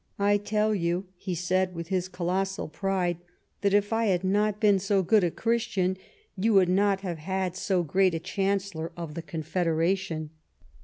" I tell you," he said, with his colossal pride, " that if I had not been so good a Christian, you would not have had so great a Chancellor of the Confederation."